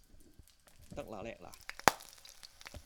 得啦叻啦